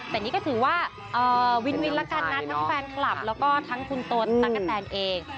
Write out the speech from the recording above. แต่นี่ก็ถือว่าวินนะครับแล้วทั้งแฟนคลับแล้วก็ในตัวตะกะแทนเอง